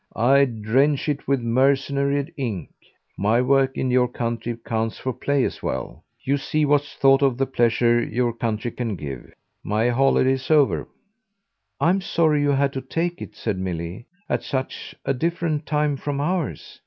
I drench it with mercenary ink. My work in your country counts for play as well. You see what's thought of the pleasure your country can give. My holiday's over." "I'm sorry you had to take it," said Milly, "at such a different time from ours.